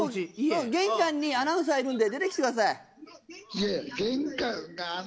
玄関にアナウンサーいるんで出てきてください。